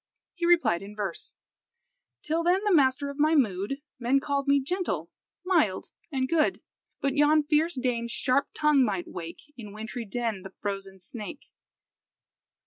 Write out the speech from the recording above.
He replied in verse "Till then, the master of my mood, Men called me gentle, mild, and good; But yon fierce dame's sharp tongue might wake In wintry den the frozen snake."